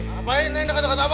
ngapain neng udah kata kata apa